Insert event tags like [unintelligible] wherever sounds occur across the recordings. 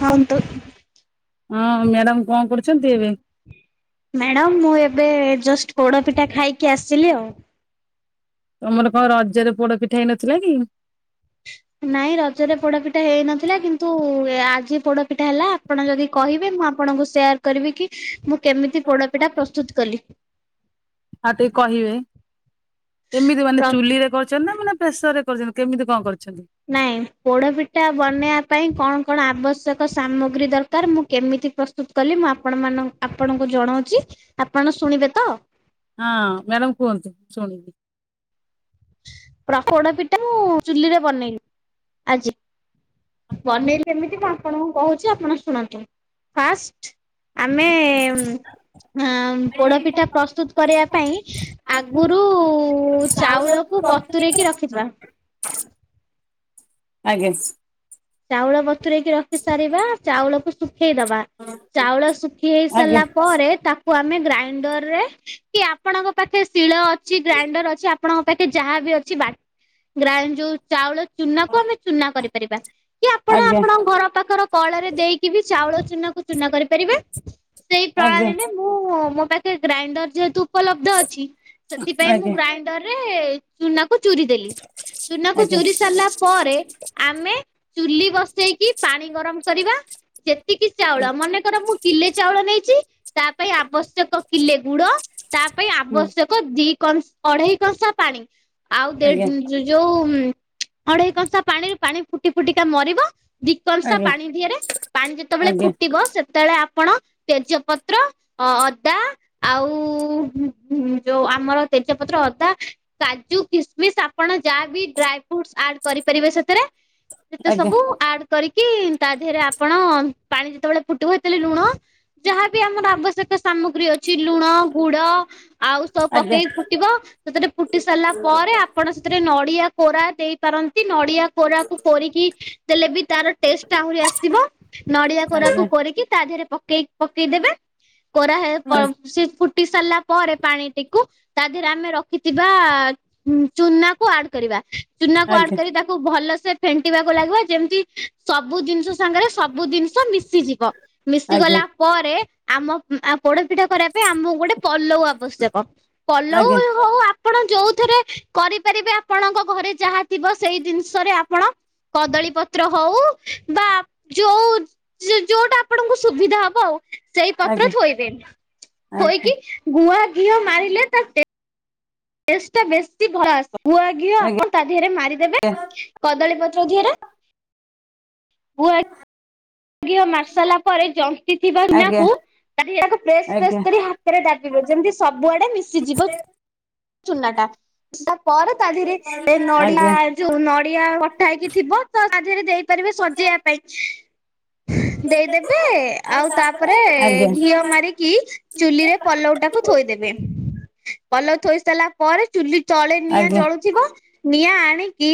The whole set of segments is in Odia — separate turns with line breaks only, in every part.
ହଁ ତ
ହଁ ମ୍ୟାଡାମ କଣ କରୁଛନ୍ତି ଏବେ?
ମ୍ୟାଡ଼ାମ ମୁଁ ଏବେ ଜଷ୍ଟ ପୋଡ଼ପିଠା ଖାଇକି ଆସିଲି ଆଉ।
ତମର କଣ ରଜରେ ପୋଡ ପିଠା ହେଇନଥିଲା କି?
ନାଇଁ ରଜରେ ପୋଡପିଠା ହେଇନଥିଲା କିନ୍ତୁ ଆଜି ପୋଡପିଠା ହେଲା ଆପଣ ଯଦି କହିବେ ମୁଁ ଆପଣଙ୍କୁ ସେୟାର କରିବି କି ମୁଁ କେମିତି ପୋଡପିଠା ପ୍ରସ୍ତୁତ କଲି।
ଆ ଟିକେ କହିବେ? କେମିତି ମାନେ
ପ୍ର
ଚୁଲିରେ କରିଛନ୍ତି ନା ମାନେ ପ୍ରେସରରେ କରିଛନ୍ତି କେମିତି କଣ କରିଛନ୍ତି?
ନାଇଁ ପୋଡ଼ପିଠା ବନେଇବା ପାଇଁ କଣ କଣ ଆବଶ୍ୟକ ସାମଗ୍ରୀ ଦରକାର ମୁଁ କେମିତି ପ୍ରସ୍ ତ କଲି ମୁଁ ଆପଣ ମାନ ଆପଣଙ୍କୁ ଜଣାଉଛି। ଆପଣ ଶୁଣିବେ ତ?
ହଁ ମ୍ୟାଡ଼ାମ କୁହନ୍ତିୁ ଶୁଣିବି।
ପ୍ର ପୋଡ଼ ପିଠା ମୁଁ ଚୁଲିରେ ବନେଇଲି ଆଜି ବନେଇଲି ଏମିତି ମୁ ଆପଣଙ୍କୁ କହୁଛି ଆପଣ ଶୁଣନ୍ତୁ ଫାଷ୍ଟ ଆମେ ଆ ପୋଡପିଠା ପ୍ରସ୍ତୁତ କରିବା ପାଇଁ ଆଗରୁ ଚାଉଳକୁ ବ ବତୁରେଇକି ରଖିଥିବା
ଆଜ୍ଞା।
ଚାଉଳ ବତୁରେଇକି ରଖି ସାରିବା ଚାଉଳକୁ ଶୁଖେଇଦବା ଚାଉଳ ଶୁଖି ହେଇ
ଆଜ୍ଞା
ସାରିଲା ପରେ ତାକୁ କୁ ଆମେ ଗ୍ରାଇଣ୍ଡରରେ କି ଆପଣଙ୍କ ପାଖେ ଶିଳ ଅଛି ଗ୍ରାଇଣ୍ଡର ଅଛି ଆପଣଙ୍କ ପାଖେ ଯାହାବି ଅଛି ବା ଗ୍ରାଇ ଯୋଉ ଚାଉଳ ଚୁନାକୁ ଆମେ ଚୁନା କରିପାରିବା। କି ଆପଣ
ଆଜ୍ଞା
ଆପଣଙ୍କ ଘର ପାଖର କଳରେ ଦେଇକି ବି ଚାଉଳ ଚୁନା କୁ ଚୁନା କରିପାରିବେ ସେଇ
ଆଜ୍ଞା
ପ୍ରଣାଳୀରେ ମୁଁ ମୋ ପାଖେ ଗ୍ରାଇଣ୍ଡର ଯେହେତୁ ଉପଲବ୍ଧ ଅଛି ସେଥିପାଇଁ ମୁଁ
ଆଜ୍ଞା
ଗ୍ରାଇଣ୍ଡର ରେ ଚୂନାକୁ ଚୁରି ଦେଲି ଚୁନା କୁ
ଆଜ୍ଞା
ଚୁରି ସାରିଲା ପରେ ଆମେ ଚୁଲି ବସେଇକି ପାଣି ଗରମ କରିବା ଯେତିକି ଚାଉଳ ମନେ କର ମୁଁ କିଲେ ଚାଉଳ ନେଇଛି ତା ପାଇଁ ଆବଶ୍ୟକ କିଲେ ଗୁଡ ତା ପାଇଁ
ହୁଁ
ଆବଶ୍ୟକ କ ଦି କସ୍ ଅଢେଇ କଂସା ପାଣି ଆଉ
ଆଜ୍ଞା
ଦେଢ଼ ଯୁ ଯୋଉ ଅଢେଇ କଂସା ପାଣିରୁ ପାଣି ଫୁଟି ଫୁଟିକା ମରିବ ଦିକଂସା
ଆଜ୍ଞା
ପାଣି ଧିରେ ପାଣି ଯେତେବେଳେ
ଆଜ୍ଞା
ଫୁଟିବ ସେ ତେବେଳେ ଆପଣ ତେଜପତ୍ର ଅଦା ଆଉ ହୁଁ ଯୋଉ ଆମର ତେଜପତ୍ର ଅଦା କାଜୁ କିସମିସ୍ ଆପଣ ଯାହା ବି ଡ୍ରାଏ ଫ୍ରୁଟସ୍ ଆଡ କରିପାରିବେ ସେଥିରେ ଯେତେ
ଆଜ୍ଞା
ସବୁ ଆଡ କରିକି ତା ଦେହରେ ଆପଣ ପାଣି ଯେତେବେଳେ ଫୁଟିବ ହେତେଲେ ଲୁଣ ଯାହାବି ଆମର ଆବଶ୍ୟକ ସାମଗ୍ରୀ ଅଛି ଲୁଣ ଗୁଡ ଆଉ ସବୁ
ଆଜ୍ଞା
ପକେଇକି ଫୁଟିବ ସେଥିରେ ଫୁଟି ସାରିଲା ପରେ ଆପ ଆପଣ ସେଥିରେ ନଡ଼ିଆ କୋରା ଦେଇପାରନ୍ତି। ନଡ଼ିଆ କୋରା କୁ କରିକି ଦେଲେ ବି ତାର ଟେଷ୍ଟ ଆହୁରି ଆସିବ ନଡିଆ
ଆଜ୍ଞା
କୋରାକୁ କରିକି ତା ଦେହରେ ପକେଇ ପକେଇଦେବେ କୋରା ହେ ପ ସେ ଫୁ ଟି ସାରିଲା ପରେ ପାଣିଟିକୁ ତା ଦେହରେ ଆମେ ରଖିଥିବା ଉଁ ଚୁନା କୁ ଆଡ୍ କରିବା। ଚୁନା
ଆଜ୍ଞା
କ ଆଡ
ଆଜ୍ଞା
କରି ତାକୁ ଭଲସେ ଫେଣ୍ଟିବାକୁ ଲାଗିବ ଯେମତି ସବୁ ଜିନିଷ ସାଙ୍ଗରେ ସବୁ ଜିନିଷ ମିଶିଯିବ।
ଆଜ୍ଞା
ମିଶିଗଲା ପରେ ଆମ ପୋଡପିଠା କରିବା ପାଇଁ ଆମକୁ ଗୋଟେ ପଲଉ ଆବଶ୍ୟକ ପଲଉ ହୁ
ଆଜ୍ଞା
ହୋଉ ଆପ ଆପଣ ଯୋଉଥିରେ କରିପାରିବେ ଆପଣଙ୍କ ଘରେ ଯାହା ଥିବ ସେଇ ଜିନିଷରେ ଆପଣ କଦଳୀ ପତ୍ର ହଉ ବା ଯୋଉ ଯୋଉଟା ଆପଣଙ୍କୁ ସୁବିଧା ହବ ଆଉ ସେଇ ପତ୍ର ଥୋଇବେ
ଆଜ୍ଞା ଆଜ୍ଞା
ଥୋଇକି
ଆଜ୍ଞା
ଗୁଆ ଘିଅ ମାରିଲେ ତା ଟେ ଟେଷ୍ଟ ଟା ବେଶୀ ଭଲ ଆସିବ ଗୁଆଘିଅ ଆପଣ ତା ଦିହରେ ମାରିଦେବେ କଦଳୀପତ୍ର ଦିହେରେ।
[unintelligible]
ଘିଅ ମାରିଶାଇଲା ପରେ ଜନ୍ତି ଥିବା [unintelligible] ନାକୁ। ତାଟିଆ କୁ ପ୍ରେସ ପ୍ରେସ୍ କରି ହାତରେ ଦାବିବେ ଯେମିତି ସବୁଆଡେ ମିଶିଯିବ। ଚୁନା ଟା। ତା ପରେ ତା ଦିହରେ ଏ ନଡିଆ ଯୋଉ ନଡିଆ କଟା ହେଇକି ଥିବ। [unintelligible] ତା ଦିହରେ ଦେଇପାରିବେ ସଜେଇବା ପାଇଁ। ଦେଇଦେବେ ଆଉ ତାପରେ
ଆଜ୍ଞା ଆଜ୍ଞା
ଘିଅ
ଆଜ୍ଞା
ମାରିକି ଚୁଲିରେ ପଲଉଟାକୁ ଥୋଇଦେବେ ପଲଉ ତଳେ ଥୋଇ ସାରିଲା ପରେ ଚୁଲି ତଳେ ନିଆଁ
ଆଜ୍ଞା
ଜଳୁଥିବ ନିଆଁ ଆଣିକି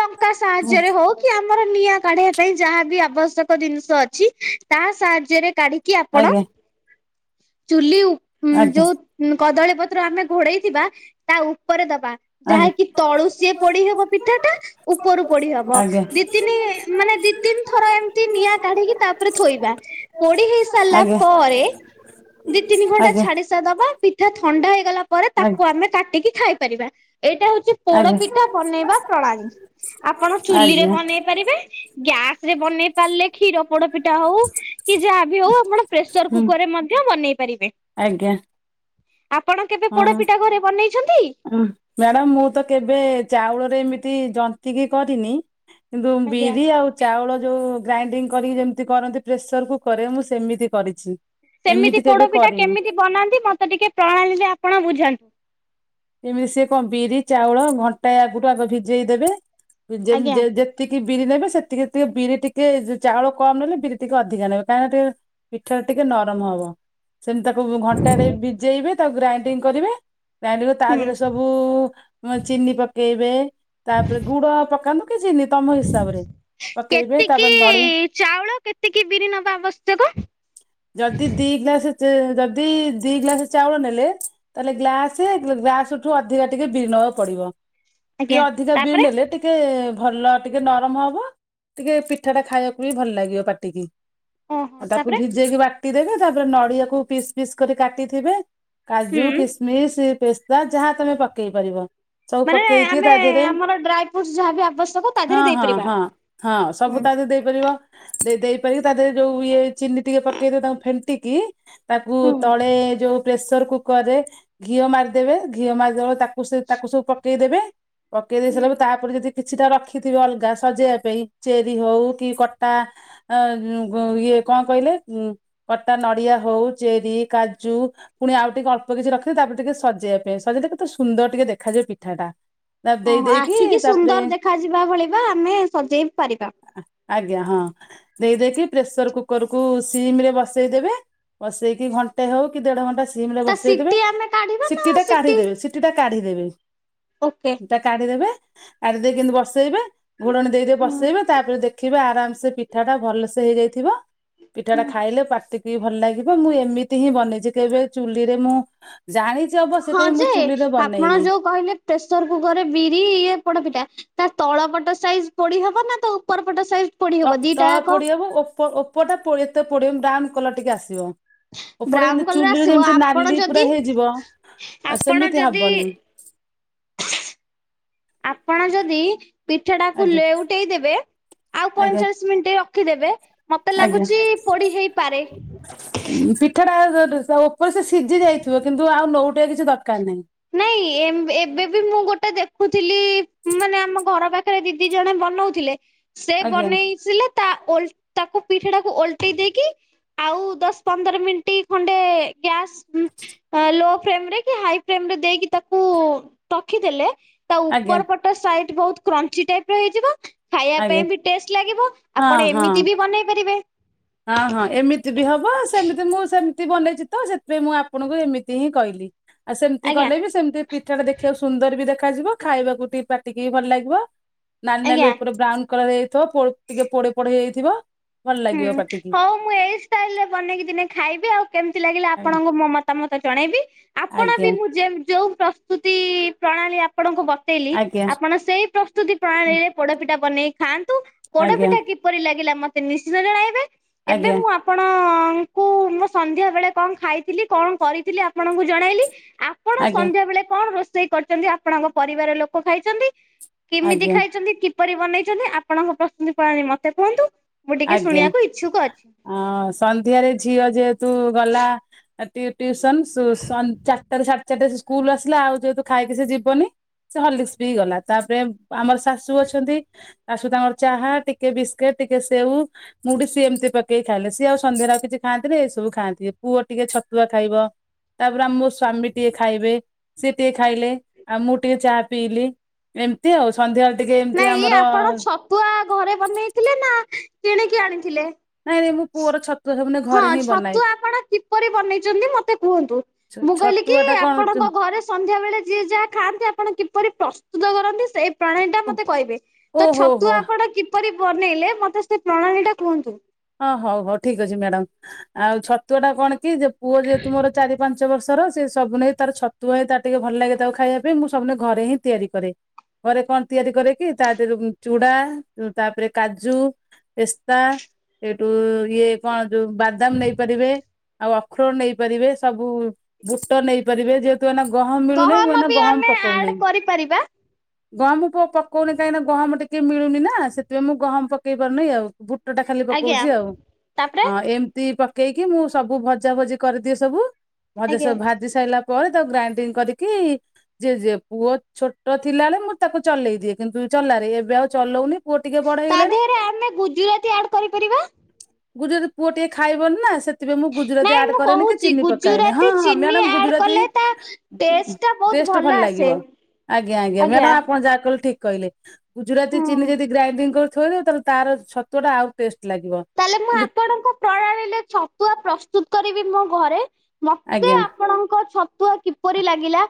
ଟଙ୍କା ସାହାଯ୍ୟରେ ହଉ କି ଆମର ନିଆଁ କାଢିବା ପାଇଁ ଯାହାବି ଆବଶ୍ୟକ ଜିନିଷ ଅଛି ତା ସାହାଯ୍ୟରେ କାଢି କି ଆପଣ
ଆଜ୍ଞା
ଚୁଲି ଉପ ଉଁ
ଆଜ୍ଞା
ଯୋଉ କଦଳୀ ପତ୍ର ଆମେ ଘୋଡେଇଥିବା ତା ଉପରେ ଦବା ଯାହାକି
ଆଜ୍ଞା।
ତଳୁସିଏ ପୋଡି ହବ ପିଠା ଟା ଉପରୁ ପୋଡି ହବ।
ଆଜ୍ଞା।
ଦି ତିନି ମାନେ ଦି ତିନି ଥର ଏମତ୍ ସେମିତି ନିଆଁ କାଢିକି ତାପରେ ଥୋଇବା ପୋଡି ହେଇ
ଆଜ୍ଞା
ସାରିଲା
ଆଜ୍ଞା
ପରେ ଦି ତିନି ଘଣ୍ଟା
ଆଜ୍ଞା
ଛାଡି ସା ଦବା ପିଠା ଥଣ୍ଡା ହେଇଗଲା ପରେ ତାକୁ ଆମ୍ ଆମେ କାଟିକି ଖାଇପାରିବା ଏଇଟା ହଉଚି ପୋଡ
ଆଜ୍ଞା
ପିଠା ବନେଇବା ପ୍ରଣାଳୀ ଆପଣ ଚୁଲି ରେ
ଆଜ୍ଞା
ବନେଇ ପାରିବେ ଗ୍ୟାସ ରେ ବନେଇ ପାରିଲେ କ୍ଷୀର ପୋଡ ପିଠା ହଉ କି ଯାହା ବି ହଉ ଆପଣ ପ୍ରେସର
ହୁଁ
କୁକରରେ ମଧ୍ୟ ବନେଇ ପାରିବେ।
ଆଜ୍ଞା।
ଆପଣ କେବେ ପୋଡପିଠା ଘରେ ବନେଇଛନ୍ତି?
ଉଁ ମ୍ୟାଡ଼ାମ ମୁଁ ତ କେବେ ଚାଉଳରେ ଏମିତି ଜନ୍ତି କିି କରିନି। କିନ୍ତୁ
ଆଜ୍ଞା।
ବିରି ଆଉ ଚାଉଳ ଯୋଉ ଗ୍ରାଇଡିଙ୍ଗ କରିକି ଯେମିତି କରନ୍ତି ପ୍ରେସର କୁକର ରେ ମୁଁ ସେମିତି କରିଛି। ଏମିତି
ସେମିତି
କେବେ
ପୋଡପିଠା
କରିନି।
କେମିତି ବନାନ୍ତି ମତେ ଟିକେ ପ୍ରଣାଳୀରେ ଆପଣ ବୁଝାନ୍ତୁ।
ଏମିତି ସିଏ କଣ ବିରି ଚାଉଳ ଘଣ୍ଟାଏ ଆଗରୁୁ ଆଗ ଭିଜେଇ ଦେବେ। ଜେମ୍
ଆଜ୍ଞା
ଯେ ଯେତେ ଯେତିକି ବିରି ନେବେ ସେତିି ଟିକେ ବିରି ଟିକେ ଚାଉଳ କମ୍ ନେଲେ ବିରି ଟିକେ ଅଧିକ ନେବେ କାହିଁକିନା ଟିକେ। ପିଠା ଟିକେ ନରମ ହବ। ସେମିତି ତାକୁ ଘଣ୍ଟାଟେ ଭିଜେଇବେ ତାକୁ ଗ୍ରାଇଣ୍ଡିଂ କରିବେ ଗ୍ଗ୍ରାଇଣ୍ଡିଂ କରିକି। ତା
ହୁଁ।
ଦେହରେ ସବୁ ଚିନି ପକେଇବେ। ତାପରେ ଗୁଡ ପକାନ୍ତୁ କି ଚିନି ତମ ହିସାବରେ। ପକେଇବେ
କେତିକି
ତାପରେ ନଡିଆ
ଚାଉଳ କେତିକି ବିରି ନବା ଆବଶ୍ୟକ।
ଯଦି ଦି ଗ୍ଲାସ ଯଦି ଦି ଗ୍ଲାସ ଚାଉଳ ନେଲେ। ତାହେଲେ ଗ୍ଲାସେ ଗ୍ଲାସଠୁ ଅଧିକା ଟିକେ ବିରି ନବାକୁ ପଡିବ ଟିକେ
ଆଜ୍ଞା।
ଅଧିକା ବିରି
ତାପରେ
ଦେଲେ ଟିକେ। ଟିକେ ଭଲ ଟିକେ ନରମ ହବ ଟିକେ ପିଠା ଟା ଖାଇବାକୁ ହି ଭଲ ଲାଗିବ ପାଟିକି।
ଓହୋ
ଆଉ ତାକୁ
ତାପରେ?
ଭିଜେଇକି ବାଟି ଦେବେ ତାପରେ ନଡିଆକୁ ପିସ୍ ପିସ୍ କରି କାଟିଥିବେ।
ହୁଁ
କାଜୁ, କିସମିସ, ପେସ୍ତା ଯାହା ତମେ ପକେଇ ପାରିବ। ସବୁ
ମାନେ
ପକେଇକି
ଆମେ
ତା ଦେହରେ
ଆମର ଡ୍ରାଇ ଫ୍ରୁଟସ୍ ଯାହାବି ଆବଶ୍ୟକ ତା ଦେହରେ
ହଁ ହଁ
ଦେଇପାରିବା।
ହଁ ହଁ
ହୁଁ
ସବୁ ତା ଦେହରେ ଦେଇ। ଦେଇପାରିବ ଦେଇ ଦେଇପାରି ତା ଦେହରେ ଯୋଉ ଇଏ ଚିନି ଟିକେ ପକେଇ ତାଙ୍କୁ ଫେଣ୍ଟିକି। ତାକୁ
ହୁଁ
ତଳେ ଯୋଉ ପ୍ରେସର କୁକର ରେ ଘିଅ ମାରି। ଦେବେ ଘିଅ ମାରିଦବ ତାକୁ ସେ ତାକୁ ସବୁ ପକେଇ ଦେବେ ପକେଇ ଦେଇ
ହୁଁ
ସାରିଲା ତା। ତାପରେ ଯଦି କିଛିଟା ରଖିଥିବେ ଅଲଗା ସଜେଇବା ପାଇଁ ଚେରି ହଉ କି କଟା। ଆ ଉଁଗୁଁ ଇଏ କଣ କହିଲେ ଉଁ। କଟା ନଡିଆ ହଉ ଚେରି, କାଜୁ ପୁଣି ଆଉ ଟିକେ ଅଳ୍ପ କିଛି ରଖିବେ ତାପରେ ଟିକେ। ସଜେଇବା ପାଇଁ ସଜେଇଲେ କେତେ ସୁନ୍ଦର ଟିକେ ଦେଖାଯାଏ ପିଠାଟା।
ଓହୋ ଆଖି କି ସୁନ୍ଦର ଦେଖାଯିବା ଭଳି ବା ଆମେ ସଜେଇ ପାରିବା।
ଆଜ୍ଞା ହଁ ଦେଇଦେଇକି ପ୍ରେସର କୁକର କୁ ସିମ ରେ ବସେଇଦେବେ। ବସେଇକି ଘଣ୍ଟେ ହଉ କି ଦେଢ ଘଣ୍ଟା ସିମ୍ ରେ
ତା
ବସେଇଦବେ
ସିଟି ଆମେ କାଢିବା ନା
ସିଟି ଟା କାଢିଦେବେ ସିଟି ଟା କାଢିଦେବେ।
ଓକେ।
କାଢିଦେବେ କାଢିଦେଇ କିନ୍ତୁ ବସେଇବେ। ଘୋଡ଼ଣୀ ଦେଇଦେଇ
ହୁଁ
ବସେଇବେ ତାପରେ ଦେଖିବେ ଆରାମସେ ପିଠାଟା ଭଲସେ ହେଇଯାଇଥିବ। ପିଠାଟା
ହୁଁ।
ଖାଇଲେ ପାଟକୁ ବି ଭଲ ଲାଗିବ, ମୁଁ ଏମିତି ହିଁ ବନେଇଛି କେବେ ଚୁଲିରେ ମୁଁ ଜାଣିଚି ଅବଶ୍ୟ କାଇଁ ମୁଁ ଚୁଲିରେ ବନେଇନେଇ।
ପ୍ରେସର୍ କୁକରରେ ବିରି ଇଏ ପୋଡପିଠା। ତା ତଳ ପଟ ସାଇଜ ପୋଡି ହବ ନା ତା ଉପର ପଟ ସାଇଜ ପୋଡି
ତ
ହବ
ତଳ
ଦିଟାଯାକ
ପୋଡିହବ ଓପ ଓପର ଟା ପୋଡି ଏତେ ପୋଡିବନି ବ୍ରାଉନ୍ କଲର ଟିକେ ଆସିବ। ଉପରେ
ବ୍ରାଉନ
ଯେମତି
କଲର
ଚୁଲିରେ
ଆସିବ
ଯେମିତି
ଆପଣ
ନାଲି
ଯଦି
ପୁରା ହେଇଯିବ,
ଆପଣ
ସେମିତି
ଯଦି
ହବନି।
ଆପଣ ଯଦି ପିଠାଟାକୁ
ଆଜ୍ଞା
ଲେଉଟେଇ ଦେବେ ଆଉ
ଆଜ୍ଞା
ପଇଁଚାଳିଶ ମିନିଟ ରଖିଦେବେ, ମତେ ଲାଗୁଚି ପୋଡି ହେଇପାରେ।
ପିଠାଟା ଉପରେ ସେ ସିଝି ଯାଇଥିବ କିନ୍ତୁ ଆଉ ନୋଉଟେଇଆ କିଛି ଦରକାର ନାହିଁ।
ନାଇଁ ଏମ୍ ଏବେ ବି ମୁଁ ଗୋଟେ ଦେଖୁଥିଲି ମାନେ ଆମ ଘର ପା ଖରେ ଦିଦି ଜଣେ ବନଉଥିଲେ, ସେ
ଆଜ୍ଞା
ବନେଇ ସିଲେ ତା ଓଲ ତାକୁ ପିଠାଟାକୁ ଓଲଟେଇ ଦେଇକି ଆଉ ଦଶ ପନ୍ଦର ମିନିଟ୍ ଖଣ୍ଡେ ଗ୍ୟାସ୍ ଅ ଲୋ ଫ୍ଲେମ ରେ କି ହାଇ ଫ୍ଲେମରେ ଦେଇକି ତାକୁ ରଖିଦେଲେ ତା
ଆଜ୍ଞା
ଉପର ପଟ ତା ସାଇଟ ବହୁତ କ୍ରଞ୍ଚି ଟାଇପର ହେଇଯିବ। ଖାଇଆ
ଆଜ୍ଞା
ପାଇଁ ବି ଟେଷ୍ଟ ଲାଗିବ,
ହଁ
ଆପଣ
ହଁ।
ଏମିତି ବି ବନେଇ ପାରିବେ।
ହଁ ହଁ ଏମିତି ବି ହବ ସେମିତି ମୁଁ ସେ ମତି ବନେଇଛି ତ ସେଥିପାଇଁ ମୁଁ ଆପଣଙ୍କୁ ଏମିତି ହିଁ କହିଲି, ଆଉ ସେମିତି
ଆଜ୍ଞା
କଲେ ବି ସେମିତି ପିଠାଟା ଦେଖିବାକୁ ସୁନ୍ଦର ବି ଦେଖାଯିବ ଖାଇବାକୁ ଟିକେ ପାଟିକି ଭଲ ଲାଗିବ, ନାଲି ନାଲି
ଆଜ୍ଞା।
ଉପରେ ବ୍ରାଉନ୍ କଳ ହେଇ ପୋ ଟିକେ ପୋଡେ ପୋଡ ହେଇଯାଇଥିବ, ଭଲ
ହୁଁ
ଲାଗିବ ପା
ହଉ ମୁଁ ଏଇ ଷ୍ଟାଇଲ ରେ ବନେଇକି ଦିନେ ଖାଇବି ଆଉ କେମିତି ଲାଗିଲା
ଆଜ୍ଞା
ଆପଣଙ୍କୁ ମୋ ମତାମତ ଜଣେଇବି ଆପଣ ବି
ଆଜ୍ଞା
ମୁଁ ଯେ ଯୋଉ ପ୍ରସ୍ତୁତି ପ୍ରଣାଳୀ ଆପଣଙ୍କୁ ବତେଇଲି
ଆଜ୍ଞା
ଆପଣ ସେଇ ପ୍ର ପ୍ରସ୍ତୁତି ପ୍ରଣାଳୀରେ ପୋଡପିଠା ବନେଇ ଖାଆନ୍ତୁ,
ଆଜ୍ଞା
ପୋଡପିଠା କିପରି ଲାଗିଲା ମତେ ନି ଶ୍ଚିନ୍ତ ଜଣାଇବେ ଏବେ
ଆଜ୍ଞା
ମୁଁ ଆପଣଙ୍କୁ ମୁଁ ସନ୍ଧ୍ୟାବେଳେ କଣ ଖାଇଥିଲି କଣ କରିଥିଲି ଆପଣଙ୍କୁ ଜଣାଇଲି, ଆ ପଣ
ଆଜ୍ଞା।
ସନ୍ଧ୍ୟାବେଳେ କଣ ରୋଷେଇ କରିଛନ୍ତି ଆପଣଙ୍କ ପରିବାର ଲୋକ ଖାଇଛନ୍ତି କେମିତି
ଆଜ୍ଞା
ଖାଇଛନ୍ତି କିପରି ବନେଇଛନ୍ତି ଆପଣଙ୍କ ପ୍ରସ୍ତୁତି ପ୍ରଣାଳୀ ମତେ କୁହନ୍ତୁ ମୁଁ ଟିକେ ଶୁଣିଆକୁ ଇଚ୍ଛୁକ ଅଛି।
ଅଁ ସନ୍ଧ୍ୟାରେ ଝିଅ ଯେହେତୁ ଗଲା ଆ ଟି-ଟି-ଟିଉସନ୍ ସ ସନ୍ ଚାରିଟାରୁ ସାଢେ ଚାରିଟା ସେ ସ୍କୁଲ ଆସିଲା ଆଉ ଯେହେତୁ ଖାଇକି ସେ ଯିବନି। ସେ ହର୍ଲିକ୍ସ ପି ଗଲା ତାପରେ ଆମର ଶାଶୂ ଅଛନ୍ତି, ଶାଶୂ ତାଙ୍କର ଚାହା ଟିକେ ବିସ୍କିଟ, ଟିକେ ସେଉ ମୁଡି ସିଏ ଏମତି ପକେଇି ଖାଇଲେ ସିଏ ଆଉ ସନ୍ଧ୍ୟାରେ ଆଉକିଛି ଖାଆନ୍ତିିନି ଏଇସବୁ ଖାଆନ୍ତି, ପୁଅ ଟିକେ ଛତୁଆ ଖାଇବ ତାପରେ ଆମ ମୋ ସ୍ଵାମୀ ଟିକେ ଖାଇବେ, ସିଏ ଟିକେ ଖାଇଲେ ଆଉ ମୁଁ ଟିକେ ଚାହା ପିଇଲି। ଏମତି ଆଉ ସନ୍ଧ୍ୟାବେଳେ ଟିକେ ଏମିତି ଆମର
ତୁଆ ଘରେ ବନେଇଥିଲେ ନା କିଣିକି ଆଣିଥିଲେ?
ନାଇଁ ନାଇଁ ମୁଁ ପୁଅର ଛତୁଆ ସବୁଦିନେ
ହଁ ଛତୁଆ ଆପଣ କିପରି ବନେଇଛନ୍ତି ମତେ କୁହନ୍ତୁ? ମୁଁ କହିଲି କି
ଛତୁଆ ଟା କଣ
ଆପଣଙ୍କ ଘରେ ସନ୍ଧ୍ୟା ବେଳେ ଯିଏ ଯାହା ଖାଆନ୍ତି ଆପଣ କିପରି ପ୍ରସ୍ତୁତ କରନ୍ତି ସେଇ ପ୍ରଣାଳୀ ଟା
ଓ
ମତେ କହିବେ ତ
ଓହୋ
ଛତୁଆ
ହୋ
ଆପଣ କିପରି ବନେଇଲେ ମତେ ସେ ପ୍ରଣାଳୀ ଟା କୁହନ୍ତୁ?
ହଁ ହଉ ହଉ ଠିକ ଅଛି ମ୍ୟାଡାାମ ଆଉ ଛତୁଆ ଟା କଣ କି ପୁଅ ଯେହେତୁ ମୋର ଚାରି ପାଞ୍ଚ ବର୍ଷ ର ସେ ସବୁଦିନେ ତାର ଛତୁଆ ହିଁ ତାର ଟିକେ ଭଲ ଲାଗେ ତାକୁ ଖାଇଆ ପାଇଁ ମୁଁ ସବୁଦିନେ ଘରେ ହିଁ ତିଆରି କରେ। ଘରେ କଣ ତିଆରି କରେ କିି ତା ଦେହରେ ଚୁଡା, ତାପରେ କାଜୁ ଏସ୍ତା ଏଇଠୁ ଇଏ କଁ ଯୋଉ ବାଦାମ ନେଇପାରିବେ ଆଉ ଅକ୍ରୋଟ ନେଇପାରିବେ, ସବୁ ବୁଟ ନେଇପାରିବେ, ଯେ ତୁ ଏନା ଗହମ ମିଳୁନେଇ ମୁଁ
ଗହମ
ଏନା
ବି
ଗହମ
ଆମେ ଆଡ
ପକଉନାଇ।
କରିପାରିବା
ଗହମ ପ ପକଉନି କାହିଁକି ନା ଗହମ ଟିକେ ମିଳୁନି ନା ସେଥିପାଇଁ ମୁଁ ଗହମ ପ ପକେଇ ପାରୁନି ଆଉ ବୁଟ ଟା ଖାଲି
ଆଜ୍ଞା
ପକଉଚି ଆଉ
ତାପରେ
ହଁ ଏମ ପକେଇକି ମୁଁ ସବୁ ଭଜା ଭଜି କରିଦିଏ ସବୁ, ଭଜା ସବୁ
ଆଜ୍ଞା।
ଭା ସାରିଲା ପରେ ତାକୁ ଗ୍ରାଇଡିଙ୍ଗ କରିକି ଫି ଯେ ଯେ ପୁଅ ଛୋଟ ଥିଲାବେଳେ ମୁଁ ତାକୁ ଚଲେଇ ଦିଏ, କିନ୍ତୁ ଚଲାରେ ଏବେ ଆଉ ଚଲଉନି। ପୁଅ ଟିକେ ବଡ
ତା
ହେଇଗଲାଣି
ଦେହରେ ଆମେ ଗୁଜୁରାତି ଆଡ କରିପାରିବା?
ଗୁ ଯଦି ପୁଅ ଟିକେ ଖାଇବନି ନା ସେ ମୁଁ ଗୁଜୁରାତି
ନାଇଁ
ଆଡ
ମୁଁ
କରେନି କି
କହୁଛି
ଚିନି ପକାଇନି ହଁ
ଗୁଜୁରାତି
ହଁ
ଚିନି
ମ୍ୟାଡାମ
ଆଡ
ଗୁଜୁରାତି
କଲେ ତା ଟେଷ୍ଟ ଟା ବହୁତ
ଟେଷ୍ଟ ଭଲ
ଆସେ
ଲାଗିବ ଆଜ୍ଞା ଆଜ୍ଞା ମ୍ୟାଡାମ ଆପଣ ଯାହା କହିଲ ଠିକ କହିଲେ। ଗୁଜୁରାତି ଚିନି
ହୁଁ।
ଯଦି ଗ୍ରାଇଣ୍ଡିଙ୍ଗ କରି ଥୋଇଦିବ ତାହେଲେ ତାର ଛତୁଆ ଟା ଆଉ ଟେଷ୍ଟ ଲାଗିବ।
ତାହେଲେ ମୁଁ
କିନ୍ତୁ
ଆପଣଙ୍କ ପ୍ରଣାଳୀରେ ଛତୁଆ ପ୍ରସ୍ତୁତ କରିବି ମୋ ଘରେ
ଆଜ୍ଞା।
ଙ୍କ ଛତୁଆ କିପରି ଲାଗିଲା?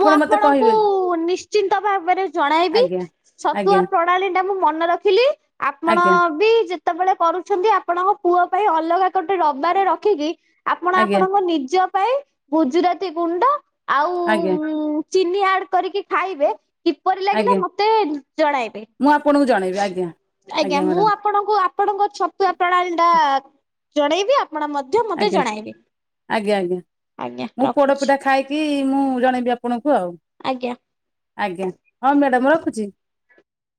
ମୁଁ
ମତେ
ଆପଣଙ୍କୁ
କହିବେ କି?
ନିଶ୍ଚିନ୍ତ ଭାବରେ ଜଣାଇବି।
ଆଜ୍ଞା।
ଛତୁଆ
ଆଜ୍ଞା
ପ୍ରଣାଳୀ ଟା ମୁଁ ମନେ ରଖିଲି ଆପଣ
ଆଜ୍ଞା
ବି ଯେ ସେତେବେଳେ କରୁଛନ୍ତି ଆପଣଙ୍କ ପୁଅ ପାଇଁ ଅଲଗା ଗୋଟେ ଡବାରେ ରଖିକ ଆପଣ
ଆଜ୍ଞା
ଆପଣଙ୍କ ନିଜ ପାଇଁ ଗୁଜୁରାତି ଗୁଣ୍ଡ ଆଉ
ଆଜ୍ଞା।
ଚିନି ଆଡ କରିକି ଖାଇବେ କିପରି ଲାଗିଲା
ଆଜ୍ଞା
ମତେ ଜଣାଇବେ।
ମୁଁ ଆପଣଙ୍କୁ ଜଣେଇବି ଆଜ୍ଞା।
ଆଜ୍ଞା ମୁଁ ଆପଣଙ୍କୁ ଆପଣଙ୍କ ଛତୁଆ ପ୍ରଣାଳୀ ଟା ଜଣେଇବି। ଆପଣ ମଧ୍ୟ ମତେ
ଆଜ୍ଞା
ଜଣାଇବେ,
ଆଜ୍ଞା
ଆଜ୍ଞା ରଖୁଛି।
କି ମୁଁ ଜଣେଇବି ଆପଣଙ୍କୁ ଆଉ।
ଆଜ୍ଞା।
ଆଜ୍ଞା ହଁ ମ୍ୟାଡ଼ାାମ ରଖୁଚି।